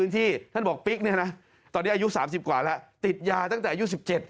ที่นอนที่ติดยาตั้งแต่อายุ๑๗